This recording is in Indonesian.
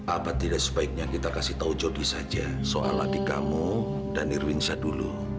apa tidak sebaiknya kita kasih tahu jody saja soal adik kamu danirwinsa dulu